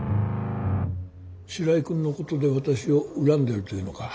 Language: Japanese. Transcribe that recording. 白井君のことで私を恨んでいるというのか。